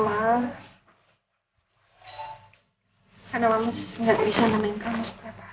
karena mama gak bisa namainkan kamu setiap hari